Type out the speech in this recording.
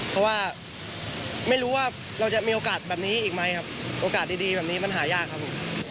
เพราะว่าไม่รู้ว่าเราจะมีโอกาสแบบนี้อีกไหมครับโอกาสดีแบบนี้มันหายากครับผม